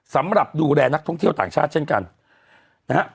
สำหรับดูแลนักท่องเที่ยวต่างชาติเช่นกันนะฮะ